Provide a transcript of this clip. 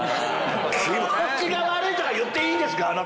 「気持ちが悪い」とか言っていいんですか⁉あなた！